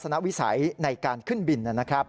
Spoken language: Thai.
ในการขึ้นบินนะครับ